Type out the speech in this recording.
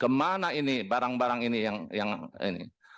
kemana ini barang barang ini yang ini